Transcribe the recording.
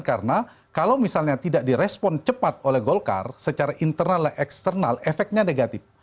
karena kalau misalnya tidak di respon cepat oleh golkar secara internal dan eksternal efeknya negatif